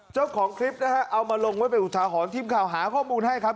เจ้าของคลิปนะฮะเอามาลงไว้เป็นอุทาหรณ์ทีมข่าวหาข้อมูลให้ครับ